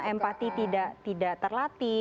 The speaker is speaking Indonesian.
empati tidak terlatih